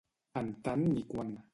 En tant ni quant.